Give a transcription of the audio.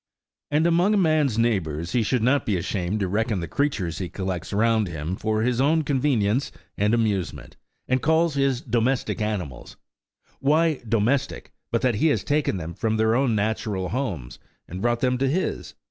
And among a man's neighbours he should not be ashamed to reckon the creatures he collects round him for his own convenience and amusement, and calls his "domestic animals." Why "domestic," but that he has taken them from their own natural homes, and brought them to his?